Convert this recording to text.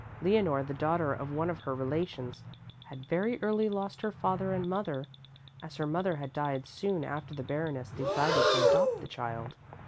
Leonore, the daughter of one of her relations, had very early lost her father and mother, as her mother had died soon after the Baroness decided to adopt the child.